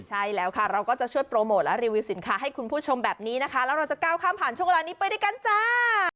ใช่แล้วค่ะเราก็จะช่วยโปรโมทและรีวิวสินค้าให้คุณผู้ชมแบบนี้นะคะแล้วเราจะก้าวข้ามผ่านช่วงเวลานี้ไปด้วยกันจ้า